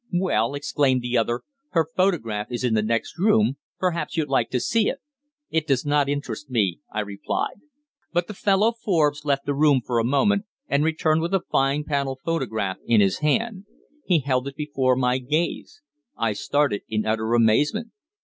"Well," exclaimed the other, "her photograph is in the next room; perhaps you'd like to see it." "It does not interest me," I replied. But the fellow Forbes left the room for a moment and returned with a fine panel photograph in his hand. He held it before my gaze. I started in utter amazement.